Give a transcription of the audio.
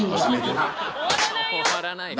終わらないよ。